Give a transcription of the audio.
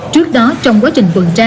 trước đó trong quá trình quần tra